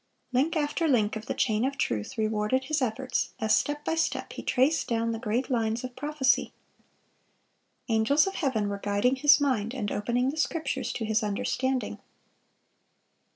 (519) Link after link of the chain of truth rewarded his efforts, as step by step he traced down the great lines of prophecy. Angels of heaven were guiding his mind and opening the Scriptures to his understanding.